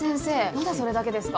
まだそれだけですか？